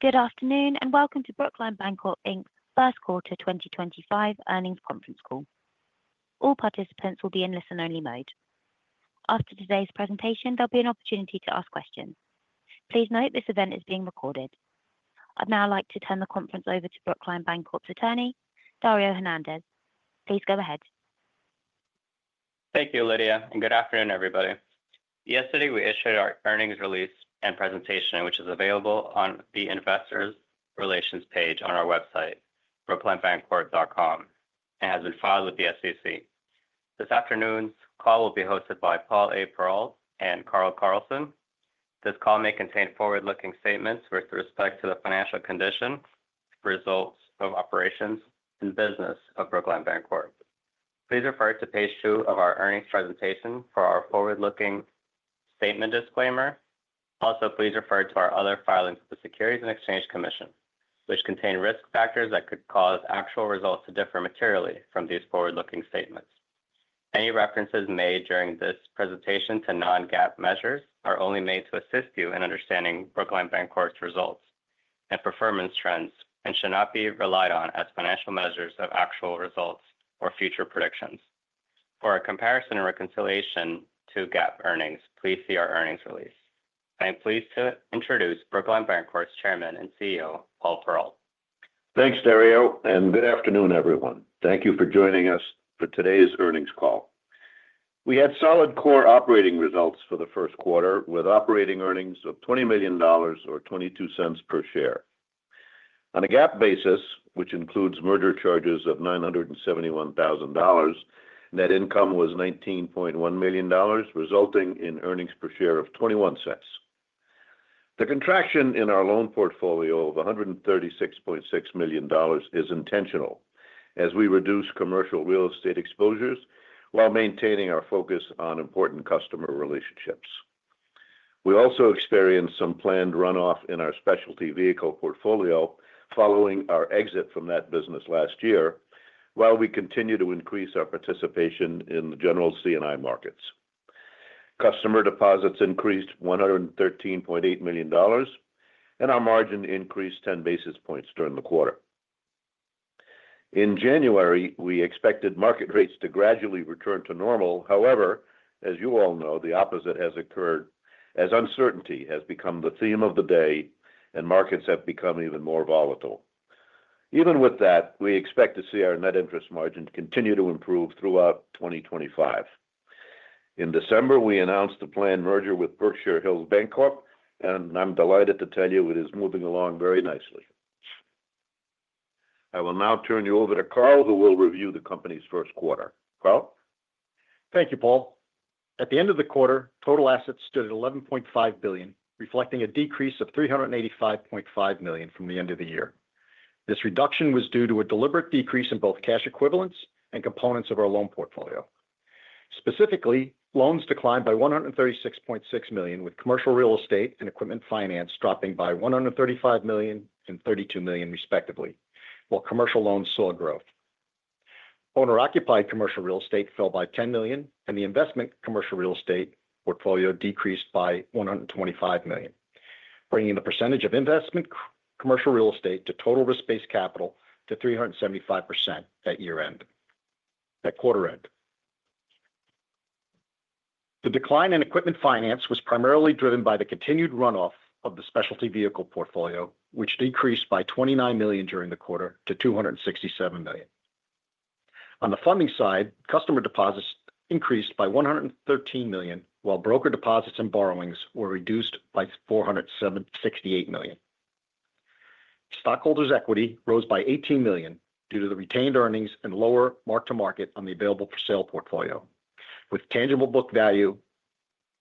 Good afternoon and welcome to Brookline Bancorp Inc's first quarter 2025 earnings conference call. All participants will be in listen-only mode. After today's presentation, there'll be an opportunity to ask questions. Please note this event is being recorded. I'd now like to turn the conference over to Brookline Bancorp's attorney, Dario Hernandez. Please go ahead. Thank you, Lydia, and good afternoon, everybody. Yesterday, we issued our earnings release and presentation, which is available on the investor relations page on our website, brooklinebancorp.com, and has been filed with the SEC. This afternoon's call will be hosted by Paul A. Perrault and Carl Carlson. This call may contain forward-looking statements with respect to the financial condition, results of operations, and business of Brookline Bancorp. Please refer to page two of our earnings presentation for our forward-looking statement disclaimer. Also, please refer to our other filings with the Securities and Exchange Commission, which contain risk factors that could cause actual results to differ materially from these forward-looking statements. Any references made during this presentation to non-GAAP measures are only made to assist you in understanding Brookline Bancorp's results and performance trends and should not be relied on as financial measures of actual results or future predictions. For a comparison and reconciliation to GAAP earnings, please see our earnings release. I am pleased to introduce Brookline Bancorp's Chairman and CEO, Paul Perrault. Thanks, Dario, and good afternoon, everyone. Thank you for joining us for today's earnings call. We had solid core operating results for the first quarter, with operating earnings of $20 million or $0.22 per share. On a GAAP basis, which includes merger charges of $971,000, net income was $19.1 million, resulting in earnings per share of $0.21. The contraction in our loan portfolio of $136.6 million is intentional, as we reduce Commercial Real Estate exposures while maintaining our focus on important customer relationships. We also experienced some planned runoff in our specialty vehicle portfolio following our exit from that business last year, while we continue to increase our participation in the general C&I markets. Customer deposits increased $113.8 million, and our margin increased 10 basis points during the quarter. In January, we expected market rates to gradually return to normal. However, as you all know, the opposite has occurred, as uncertainty has become the theme of the day, and markets have become even more volatile. Even with that, we expect to see our net interest margin continue to improve throughout 2025. In December, we announced a planned merger with Berkshire Hills Bancorp, and I'm delighted to tell you it is moving along very nicely. I will now turn you over to Carl, who will review the company's first quarter. Carl? Thank you, Paul. At the end of the quarter, total assets stood at $11.5 billion, reflecting a decrease of $385.5 million from the end of the year. This reduction was due to a deliberate decrease in both cash equivalents and components of our loan portfolio. Specifically, loans declined by $136.6 million, with Commercial Real Estate and equipment finance dropping by $135 million and $32 million, respectively, while commercial loans saw growth. Owner-occupied Commercial Real Estate fell by $10 million, investment Commercial Real Estate portfolio decreased by $125 million, bringing the investment Commercial Real Estate to total risk-based capital to 375% at year-end, at quarter-end. The decline in equipment finance was primarily driven by the continued runoff of the specialty vehicle portfolio, which decreased by $29 million during the quarter to $267 million. On the funding side, customer deposits increased by $113 million, while brokered deposits and borrowings were reduced by $468 million. Stockholders' equity rose by $18 million due to the retained earnings and lower mark-to-market on the available-for-sale portfolio, with tangible book value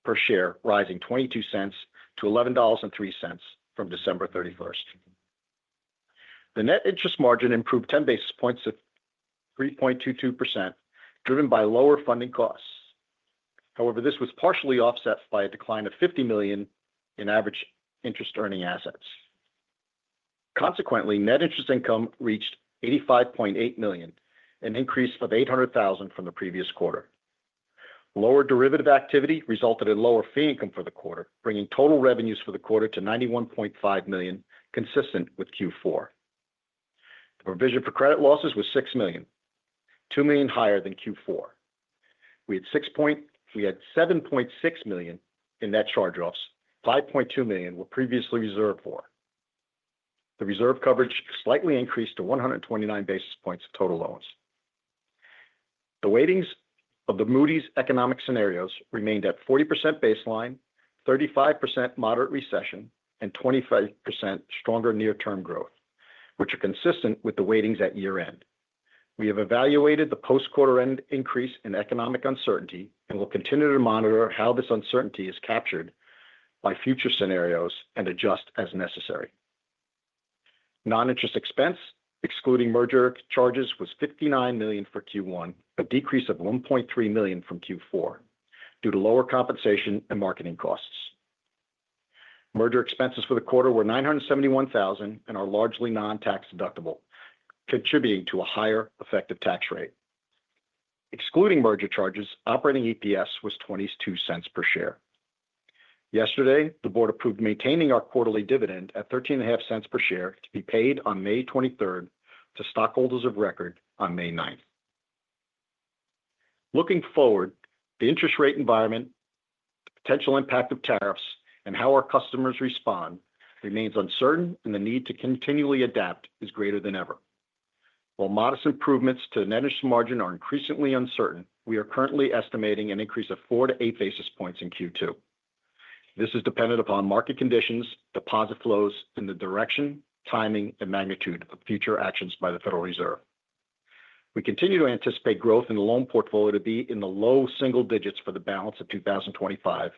per share rising $0.22 to $11.03 from December 31st. The net interest margin improved 10 basis points to 3.22%, driven by lower funding costs. However, this was partially offset by a decline of $50 million in average interest-earning assets. Consequently, net interest income reached $85.8 million, an increase of $800,000 from the previous quarter. Lower derivative activity resulted in lower fee income for the quarter, bringing total revenues for the quarter to $91.5 million, consistent with Q4. The provision for credit losses was $6 million, $2 million higher than Q4. We had $7.6 million in net charge-offs, $5.2 million were previously reserved for. The reserve coverage slightly increased to 129 basis points of total loans. The weightings of the Moody's economic scenarios remained at 40% baseline, 35% moderate recession, and 25% stronger near-term growth, which are consistent with the weightings at year-end. We have evaluated the post-quarter-end increase in economic uncertainty and will continue to monitor how this uncertainty is captured by future scenarios and adjust as necessary. Non-interest expense, excluding merger charges, was $59 million for Q1, a decrease of $1.3 million from Q4 due to lower compensation and marketing costs. Merger expenses for the quarter were $971,000 and are largely non-tax deductible, contributing to a higher effective tax rate. Excluding merger charges, operating EPS was $0.22 per share. Yesterday, the Board approved maintaining our quarterly dividend at $0.13 per share to be paid on May 23rd to stockholders of record on May 9th. Looking forward, the interest rate environment, potential impact of tariffs, and how our customers respond remains uncertain, and the need to continually adapt is greater than ever. While modest improvements to net interest margin are increasingly uncertain, we are currently estimating an increase of 4-8 basis points in Q2. This is dependent upon market conditions, deposit flows, and the direction, timing, and magnitude of future actions by the Federal Reserve. We continue to anticipate growth in the loan portfolio to be in the low single digits for the balance of 2025,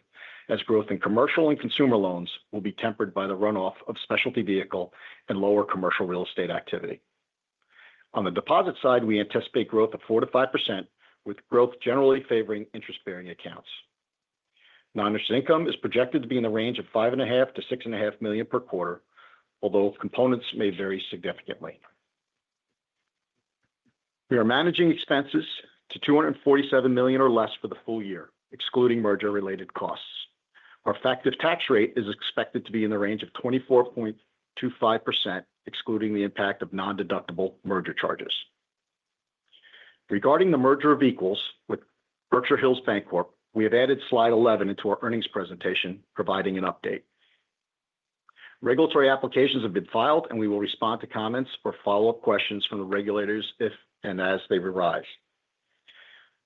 as growth in commercial and consumer loans will be tempered by the runoff of specialty vehicle and lower Commercial Real Estate activity. On the deposit side, we anticipate growth of 4%-5%, with growth generally favoring interest-bearing accounts. Non-interest income is projected to be in the range of $5.5 million-$6.5 million per quarter, although components may vary significantly. We are managing expenses to $247 million or less for the full year, excluding merger-related costs. Our effective tax rate is expected to be in the range of 24%-25%, excluding the impact of non-deductible merger charges. Regarding the merger of equals with Berkshire Hills Bancorp, we have added slide 11 into our earnings presentation, providing an update. Regulatory applications have been filed, and we will respond to comments or follow-up questions from the regulators if and as they arise.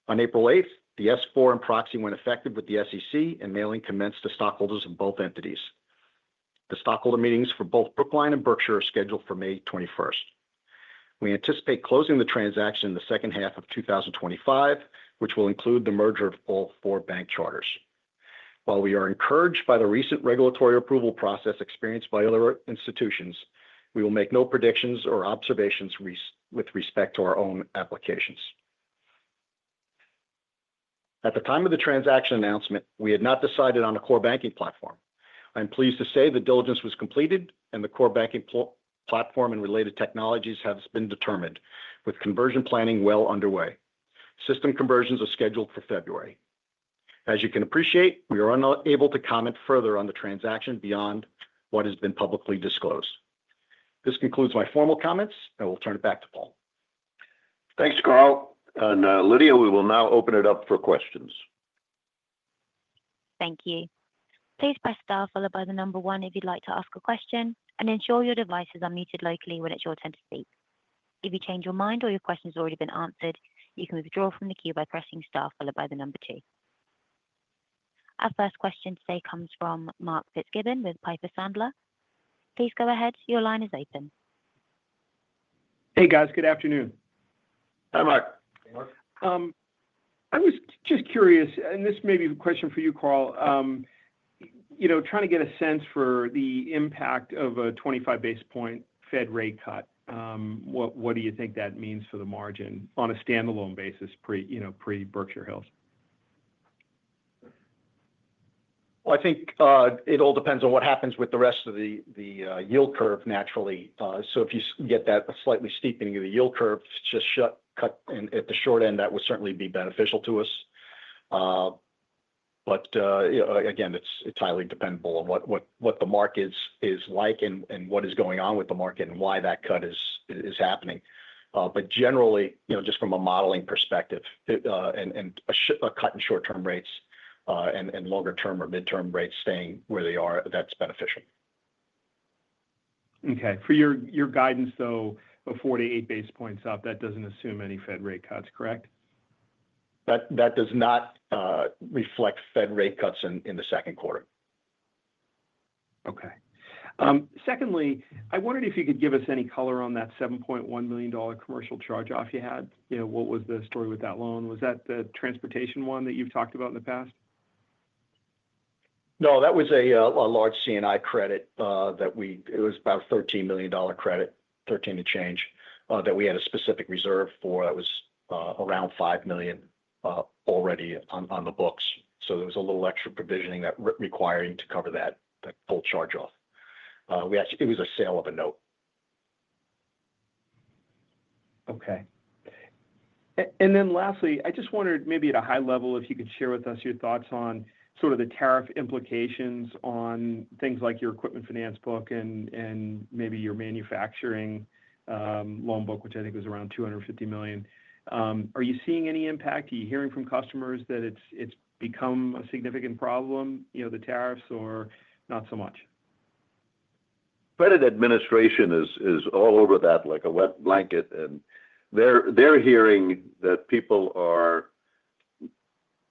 On April 8th, the S-4 and proxy went effective with the SEC, and mailing commenced to stockholders of both entities. The stockholder meetings for both Brookline and Berkshire are scheduled for May 21st. We anticipate closing the transaction in the second half of 2025, which will include the merger of all four bank charters. While we are encouraged by the recent regulatory approval process experienced by other institutions, we will make no predictions or observations with respect to our own applications. At the time of the transaction announcement, we had not decided on a core banking platform. I'm pleased to say the diligence was completed, and the core banking platform and related technologies have been determined, with conversion planning well underway. System conversions are scheduled for February. As you can appreciate, we are unable to comment further on the transaction beyond what has been publicly disclosed. This concludes my formal comments, and we'll turn it back to Paul. Thanks, Carl. Lydia, we will now open it up for questions. Thank you. Please press star followed by the number one if you'd like to ask a question, and ensure your device is unmuted locally when it's your turn to speak. If you change your mind or your question has already been answered, you can withdraw from the queue by pressing star followed by the number two. Our first question today comes from Mark Fitzgibbon with Piper Sandler. Please go ahead. Your line is open. Hey, guys. Good afternoon. Hi, Mark. Hey, Mark. I was just curious, and this may be a question for you, Carl, trying to get a sense for the impact of a 25 basis point Fed rate cut. What do you think that means for the margin on a standalone basis pre-Berkshire Hills? I think it all depends on what happens with the rest of the yield curve, naturally. If you get that slightly steepening of the yield curve, just a cut at the short end, that would certainly be beneficial to us. Again, it's highly dependable on what the market is like and what is going on with the market and why that cut is happening. Generally, just from a modeling perspective, a cut in short-term rates and longer-term or midterm rates staying where they are, that's beneficial. Okay. For your guidance, though, a 4-8 basis points up, that doesn't assume any Fed rate cuts, correct? That does not reflect Fed rate cuts in the second quarter. Okay. Secondly, I wondered if you could give us any color on that $7.1 million commercial charge-off you had. What was the story with that loan? Was that the transportation one that you've talked about in the past? No, that was a large C&I credit that we, it was about a $13 million credit, $13 million and change, that we had a specific reserve for that was around $5 million already on the books. There was a little extra provisioning that required to cover that full charge-off. It was a sale of a note. Okay. Lastly, I just wondered maybe at a high level if you could share with us your thoughts on sort of the tariff implications on things like your equipment finance book and maybe your manufacturing loan book, which I think was around $250 million. Are you seeing any impact? Are you hearing from customers that it's become a significant problem, the tariffs, or not so much? Fed administration is all over that like a wet blanket, and they're hearing that people are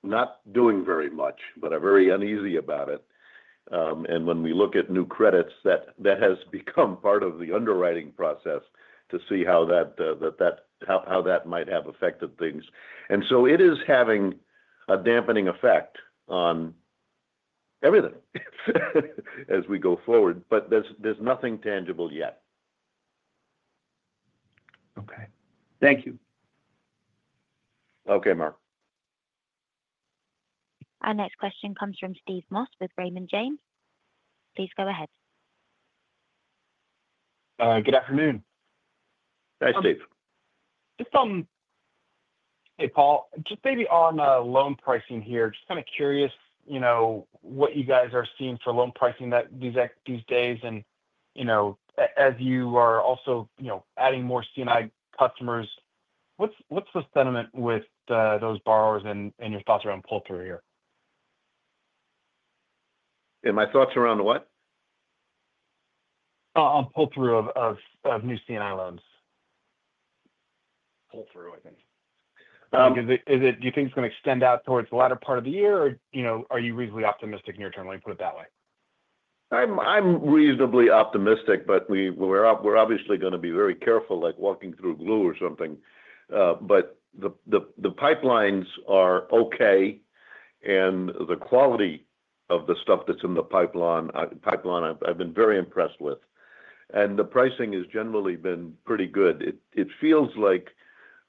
not doing very much, but are very uneasy about it. When we look at new credits, that has become part of the underwriting process to see how that might have affected things. It is having a dampening effect on everything as we go forward, but there's nothing tangible yet. Okay. Thank you. Okay, Mark. Our next question comes from Steve Moss with Raymond James. Please go ahead. Good afternoon. Hi, Steve. Hey, Paul. Just maybe on loan pricing here, just kind of curious what you guys are seeing for loan pricing these days. As you are also adding more C&I customers, what's the sentiment with those borrowers and your thoughts around pull-through here? Yeah, my thoughts around what? On pull-through of new C&I loans. Pull-through, I think. Do you think it's going to extend out towards the latter part of the year, or are you reasonably optimistic near-term? Let me put it that way. I'm reasonably optimistic, but we're obviously going to be very careful like walking through glue or something. The pipelines are okay, and the quality of the stuff that's in the pipeline, I've been very impressed with. The pricing has generally been pretty good. It feels like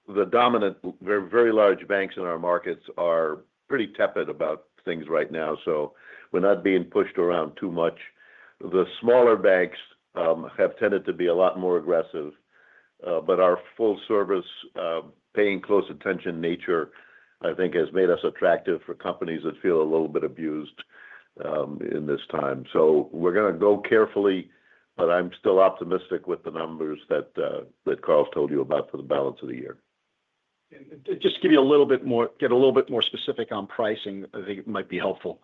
the dominant very large banks in our markets are pretty tepid about things right now, so we're not being pushed around too much. The smaller banks have tended to be a lot more aggressive. Our full-service, paying close attention nature, I think, has made us attractive for companies that feel a little bit abused in this time. We're going to go carefully, but I'm still optimistic with the numbers that Carl told you about for the balance of the year. Just to give you a little bit more, get a little bit more specific on pricing, I think it might be helpful.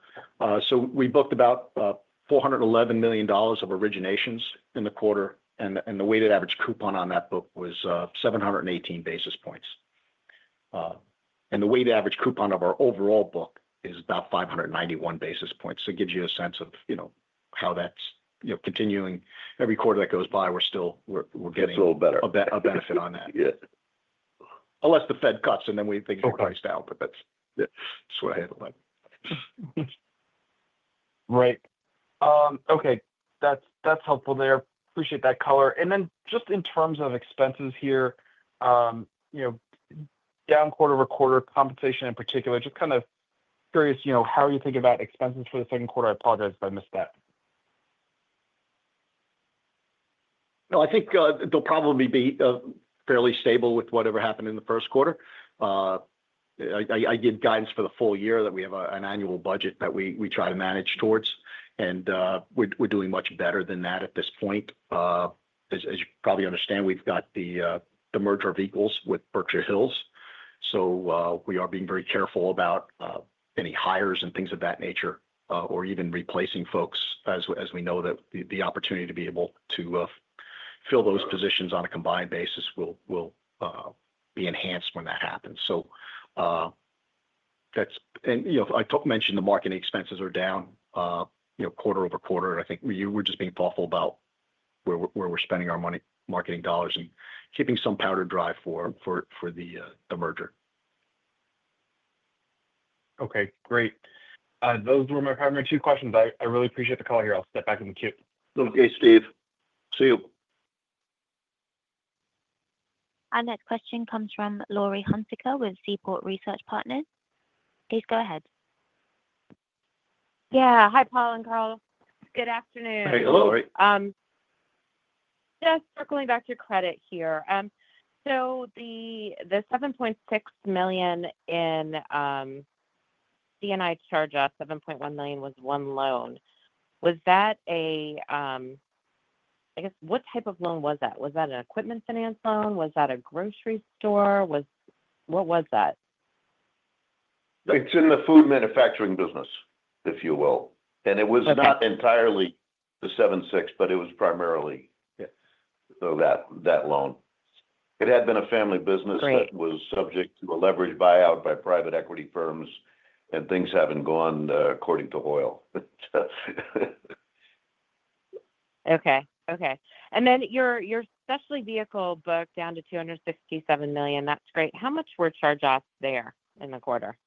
We booked about $411 million of originations in the quarter, and the weighted average coupon on that book was 718 basis points. The weighted average coupon of our overall book is about 591 basis points. It gives you a sense of how that's continuing. Every quarter that goes by, we're still getting. It's a little better. A benefit on that. Yeah. Unless the Fed cuts, and then we think everybody's down, but that's what I handle that. Right. Okay. That's helpful there. Appreciate that color. Just in terms of expenses here, down quarter-over-quarter, compensation in particular, just kind of curious how you think about expenses for the second quarter. I apologize if I missed that. No, I think they'll probably be fairly stable with whatever happened in the first quarter. I give guidance for the full year that we have an annual budget that we try to manage towards, and we're doing much better than that at this point. As you probably understand, we've got the merger of equals with Berkshire Hills. We are being very careful about any hires and things of that nature or even replacing folks as we know that the opportunity to be able to fill those positions on a combined basis will be enhanced when that happens. I mentioned the marketing expenses are down quarter-over-quarter. I think we're just being thoughtful about where we're spending our marketing dollars and keeping some powder dry for the merger. Okay. Great. Those were my primary two questions. I really appreciate the call here. I'll step back in the queue. Okay, Steve. See you. Our next question comes from Laurie Hunsicker with Seaport Research Partners. Please go ahead. Yeah. Hi, Paul and Carl. Good afternoon. Hey, hello. Just circling back to credit here. The $7.6 million in C&I charge-off, $7.1 million was one loan. Was that a, I guess, what type of loan was that? Was that an equipment finance loan? Was that a grocery store? What was that? It's in the food manufacturing business, if you will. It was not entirely the $7.6 million, but it was primarily that loan. It had been a family business that was subject to a leverage buyout by private equity firms, and things haven't gone according to Hoyle. Okay. Okay. Your specialty vehicle book down to $267 million. That's great. How much were charge-offs there in the quarter?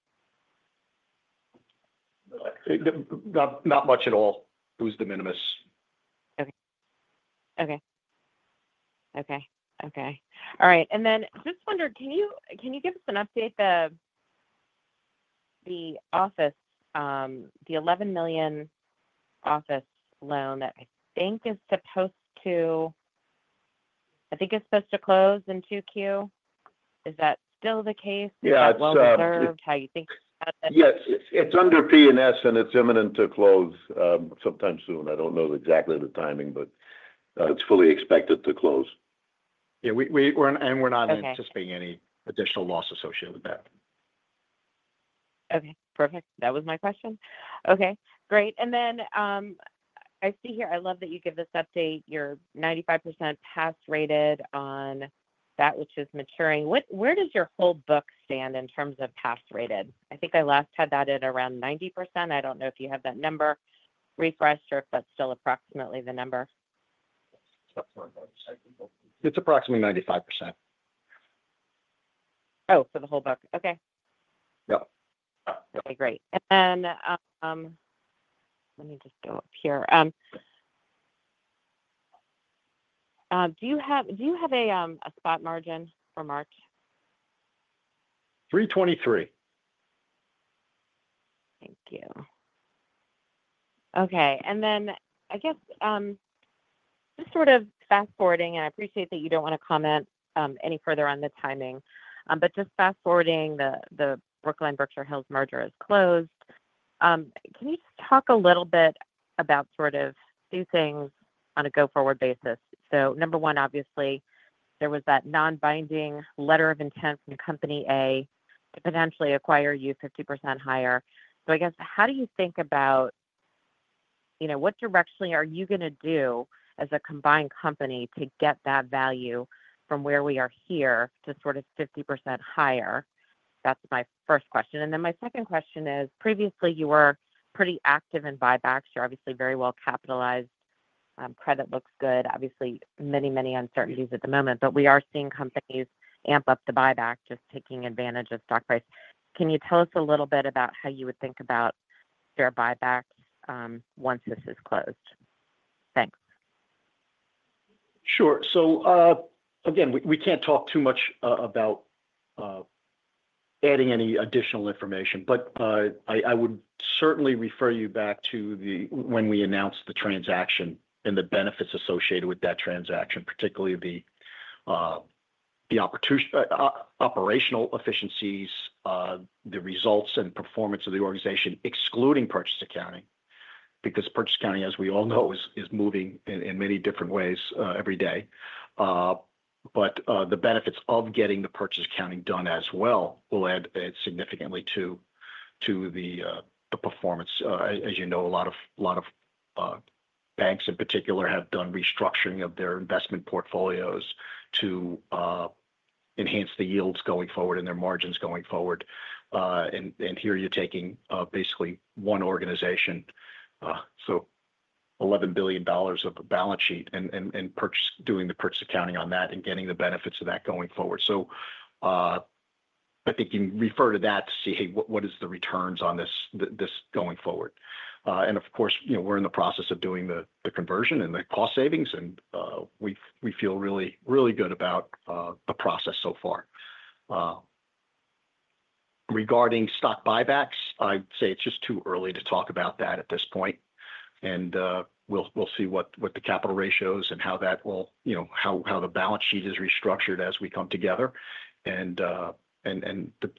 Not much at all. It was de minimis. Okay. Okay. Okay. Okay. All right. Just wondered, can you give us an update of the $11 million office loan that I think is supposed to, I think it's supposed to close in 2Q. Is that still the case? Yeah. It's under. Have you thought about that? Yes. It's under P&S, and it's imminent to close sometime soon. I don't know exactly the timing, but it's fully expected to close. Yeah. We're not anticipating any additional loss associated with that. Okay. Perfect. That was my question. Okay. Great. I see here I love that you give this update. You're 95% pass rated on that, which is maturing. Where does your whole book stand in terms of pass rated? I think I last had that at around 90%. I don't know if you have that number refreshed or if that's still approximately the number. It's approximately 95%. Oh, for the whole book. Okay. Yeah. Okay. Great. Let me just go up here. Do you have a spot margin for March? 323. Thank you. Okay. I guess just sort of fast forwarding, and I appreciate that you do not want to comment any further on the timing, just fast forwarding, the Brookline Berkshire Hills merger is closed. Can you just talk a little bit about sort of two things on a go-forward basis? Number one, obviously, there was that non-binding letter of intent from Company A to potentially acquire you 50% higher. I guess how do you think about what direction are you going to do as a combined company to get that value from where we are here to sort of 50% higher? That is my first question. My second question is, previously, you were pretty active in buybacks. You are obviously very well capitalized. Credit looks good. Obviously, many, many uncertainties at the moment, but we are seeing companies amp up the buyback, just taking advantage of stock price. Can you tell us a little bit about how you would think about their buybacks once this is closed? Thanks. Sure. Again, we can't talk too much about adding any additional information, but I would certainly refer you back to when we announced the transaction and the benefits associated with that transaction, particularly the operational efficiencies, the results and performance of the organization, excluding purchase accounting, because purchase accounting, as we all know, is moving in many different ways every day. The benefits of getting the purchase accounting done as well will add significantly to the performance. As you know, a lot of banks in particular have done restructuring of their investment portfolios to enhance the yields going forward and their margins going forward. Here you're taking basically one organization, so $11 billion of a balance sheet and doing the purchase accounting on that and getting the benefits of that going forward. I think you can refer to that to see, hey, what is the returns on this going forward? Of course, we're in the process of doing the conversion and the cost savings, and we feel really good about the process so far. Regarding stock buybacks, I'd say it's just too early to talk about that at this point. We'll see what the capital ratios and how that will, how the balance sheet is restructured as we come together. The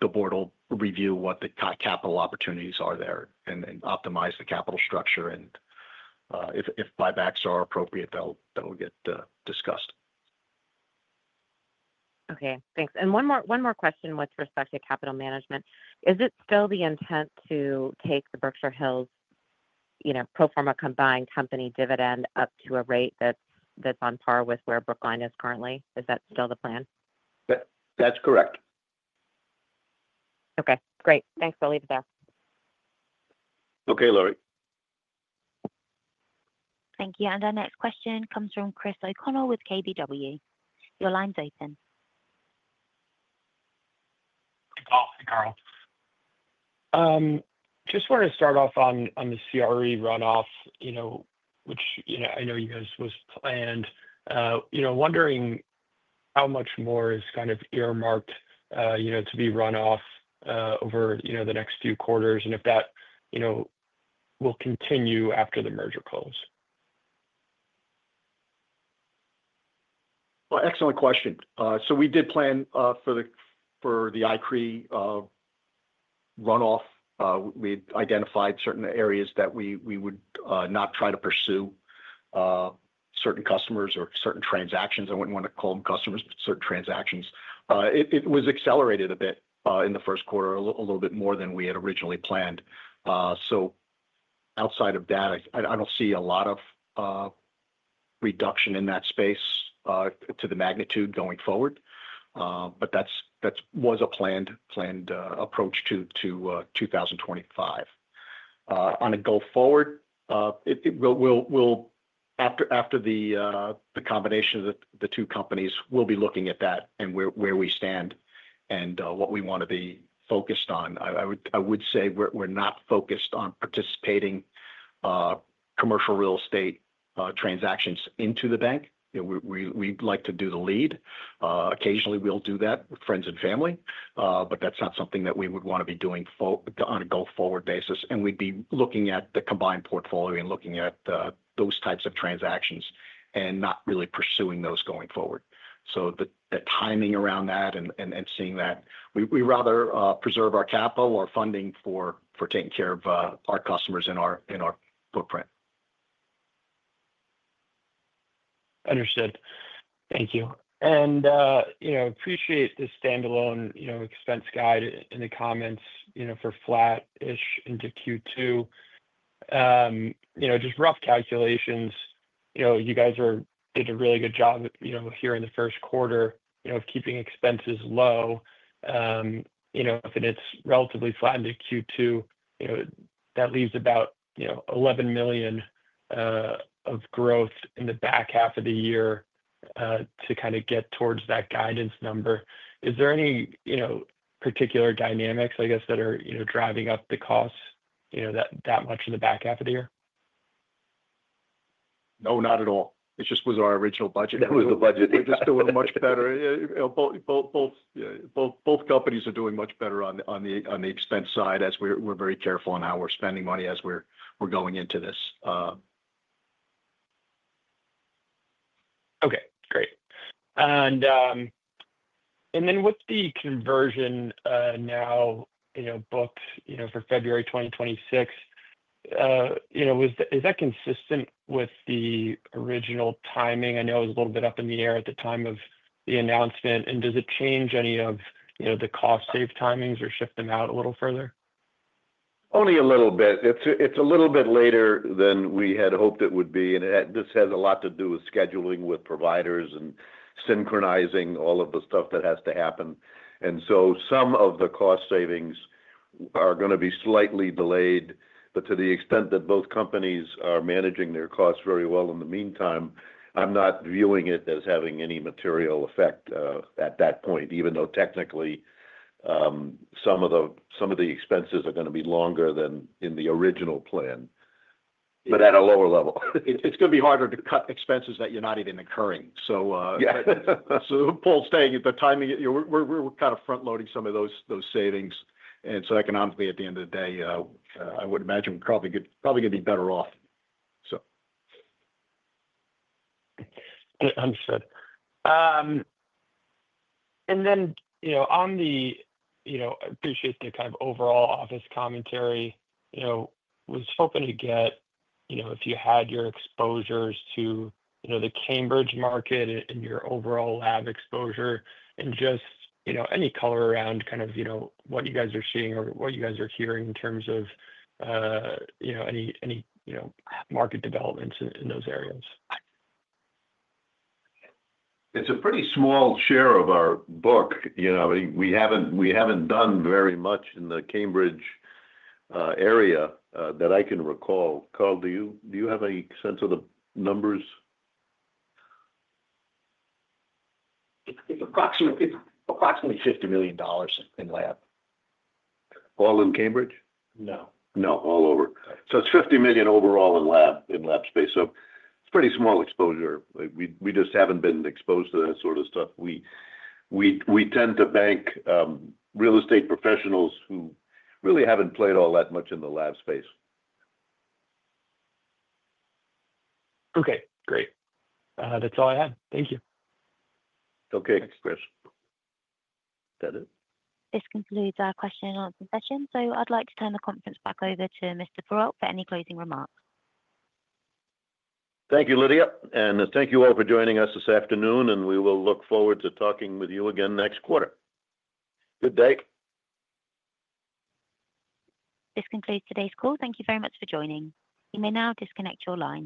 Board will review what the capital opportunities are there and optimize the capital structure. If buybacks are appropriate, that'll get discussed. Okay. Thanks. One more question with respect to capital management. Is it still the intent to take the Berkshire Hills pro forma combined company dividend up to a rate that's on par with where Brookline is currently? Is that still the plan? That's correct. Okay. Great. Thanks. I'll leave it there. Okay, Laurie. Thank you. Our next question comes from Chris O'Connell with KBW. Your line's open. Paul and Carl. Just wanted to start off on the CRE runoff, which I know you guys was planned. Wondering how much more is kind of earmarked to be runoff over the next few quarters and if that will continue after the merger close. Excellent question. We did plan for the ICRE runoff. We identified certain areas that we would not try to pursue, certain customers or certain transactions. I would not want to call them customers, but certain transactions. It was accelerated a bit in the first quarter, a little bit more than we had originally planned. Outside of that, I do not see a lot of reduction in that space to the magnitude going forward, but that was a planned approach to 2025. On a go-forward, after the combination of the two companies, we will be looking at that and where we stand and what we want to be focused on. I would say we are not focused on participating Commercial Real Estate transactions into the bank. We would like to do the lead. Occasionally, we'll do that with friends and family, but that's not something that we would want to be doing on a go-forward basis. We would be looking at the combined portfolio and looking at those types of transactions and not really pursuing those going forward. The timing around that and seeing that, we'd rather preserve our capital or funding for taking care of our customers and our footprint. Understood. Thank you. I appreciate the standalone expense guide in the comments for flat-ish into Q2. Just rough calculations, you guys did a really good job here in the first quarter of keeping expenses low. If it is relatively flat into Q2, that leaves about $11 million of growth in the back half of the year to kind of get towards that guidance number. Is there any particular dynamics, I guess, that are driving up the cost that much in the back half of the year? No, not at all. It just was our original budget. That was the budget. It just was much better. Both companies are doing much better on the expense side as we're very careful on how we're spending money as we're going into this. Okay. Great. With the conversion now booked for February 2026, is that consistent with the original timing? I know it was a little bit up in the air at the time of the announcement. Does it change any of the cost-save timings or shift them out a little further? Only a little bit. It's a little bit later than we had hoped it would be. This has a lot to do with scheduling with providers and synchronizing all of the stuff that has to happen. Some of the cost savings are going to be slightly delayed, but to the extent that both companies are managing their costs very well in the meantime, I'm not viewing it as having any material effect at that point, even though technically some of the expenses are going to be longer than in the original plan, but at a lower level. It's going to be harder to cut expenses that you're not even incurring. Paul's saying that we're kind of front-loading some of those savings. Economically, at the end of the day, I would imagine we're probably going to be better off, so. Understood. I appreciate the kind of overall office commentary. I was hoping to get if you had your exposures to the Cambridge market and your overall lab exposure and just any color around kind of what you guys are seeing or what you guys are hearing in terms of any market developments in those areas. It's a pretty small share of our book. We haven't done very much in the Cambridge area that I can recall. Carl, do you have any sense of the numbers? It's approximately $50 million in lab. All in Cambridge? No. No, all over. It's $50 million overall in lab space. It's a pretty small exposure. We just haven't been exposed to that sort of stuff. We tend to bank real estate professionals who really haven't played all that much in the lab space. Okay. Great. That's all I had. Thank you. Okay. Next question. That's it. This concludes our question-and-answer session. I would like to turn the conference back over to Mr. Perrault for any closing remarks. Thank you, Lydia. Thank you all for joining us this afternoon, and we will look forward to talking with you again next quarter. Good day. This concludes today's call. Thank you very much for joining. You may now disconnect your line.